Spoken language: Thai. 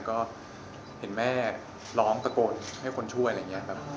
ก็เห็นแม่ร้องตะโกนให้คนช่วยอะไรอย่างนี้